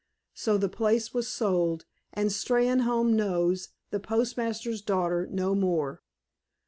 So the place was sold, and Steynholme knows "the postmaster's daughter" no more.